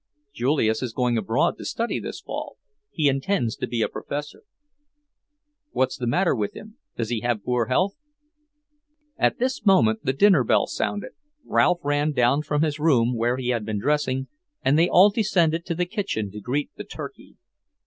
"Julius is going abroad to study this fall. He intends to be a professor." "What's the matter with him? Does he have poor health?" At this moment the dinner bell sounded, Ralph ran down from his room where he had been dressing, and they all descended to the kitchen to greet the turkey.